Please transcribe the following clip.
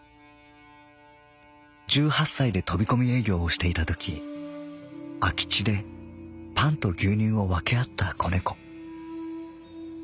十八歳で飛びこみ営業をしていたとき空き地でパンと牛乳をわけあった仔猫。